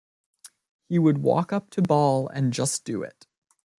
He would walk up to ball and "just do it".